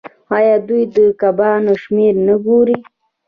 آیا دوی د کبانو شمیر نه ګوري؟